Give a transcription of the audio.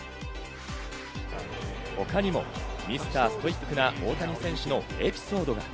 他にもミスターストイックな大谷選手のエピソードが。